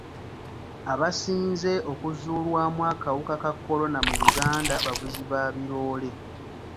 Abasinze okuzuulwamu akawuka ka kolona mu Uganda bavuzi ba biroore.